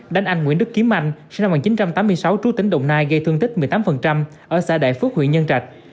đánh anh nguyễn đức kiếm anh sinh năm một nghìn chín trăm tám mươi sáu trú tỉnh đồng nai gây thương tích một mươi tám ở xã đại phước huyện nhân trạch